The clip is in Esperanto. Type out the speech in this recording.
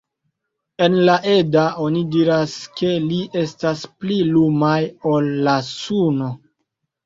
En la Edda oni diras ke ili estas pli lumaj ol la suno.